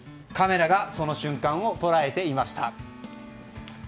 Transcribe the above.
カメラがその瞬間を捉えていました。